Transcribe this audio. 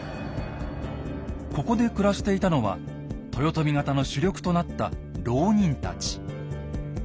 ここで暮らしていたのは豊臣方の主力となった牢人たち。